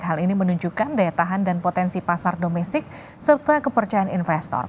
hal ini menunjukkan daya tahan dan potensi pasar domestik serta kepercayaan investor